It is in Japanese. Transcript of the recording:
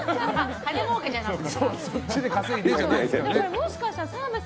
金もうけじゃなくてさ。